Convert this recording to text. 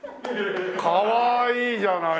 かわいいじゃないのよ！